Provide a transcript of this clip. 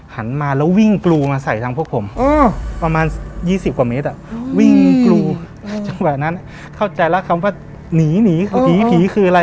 หันมาแล้ววิ่งกรูมาใส่ทางพวกผมประมาณ๒๐กว่าเมตรวิ่งกรูจังหวะนั้นเข้าใจแล้วคำว่าหนีหนีผีผีคืออะไร